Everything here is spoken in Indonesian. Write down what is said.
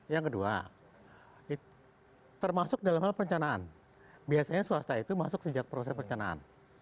yang kedua termasuk dalam hal perencanaan biasanya swasta itu masuk sejak proses perencanaan